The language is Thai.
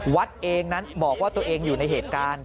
วัดเองนั้นบอกว่าตัวเองอยู่ในเหตุการณ์